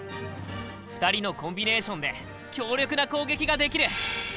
２人のコンビネーションで強力な攻撃ができる！